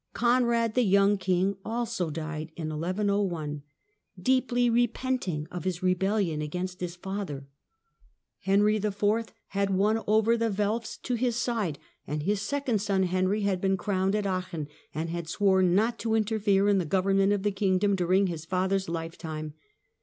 Conrad, the young king, also died in 1101, deeply repenting of his rebellion against his father. Henry IV. had won over the Welfs to his side, and his second son Henry had been crowned at Aachen, and had sworn not to interfere in the govern ment of the kingdom during his father's lifetime.